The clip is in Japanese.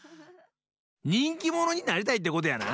にんきものになりたいってことやな？